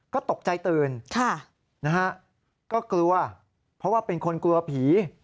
ก็ตกใจตื่นก็กลัวเพราะว่าเป็นคนกลัวผี